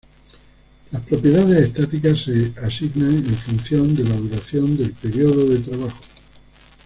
Las prioridades estáticas se asignan en función de la duración del período del trabajo.